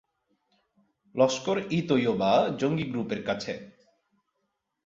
লস্কর-ই-তৈয়বা জঙ্গি গ্রুপের কাছে।